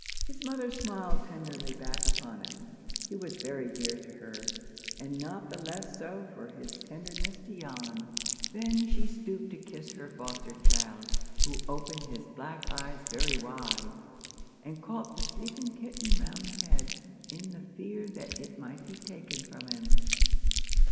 His mother smiled tenderly back upon him. He was very dear to her, and not the less so for his tenderness to Jan. Then she stooped to kiss her foster child, who opened his black eyes very wide, and caught the sleeping kitten round the head, in the fear that it might be taken from him.